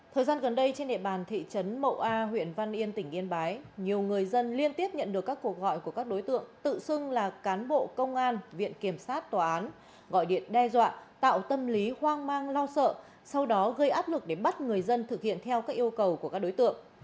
thời gian gần đây trên địa bàn thị trấn mậu a huyện văn yên tỉnh yên bái nhiều người dân liên tiếp nhận được các cuộc gọi của các đối tượng tự xưng là cán bộ công an viện kiểm sát tòa án gọi điện đe dọa tạo tâm lý hoang mang lo sợ sau đó gây áp lực để bắt người dân thực hiện theo các yêu cầu của các đối tượng